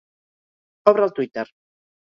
Obre el twitter.